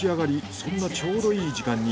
そんなちょうどいい時間に。